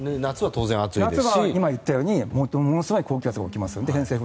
夏は今言ったようにものすごい高気圧が起きますので偏西風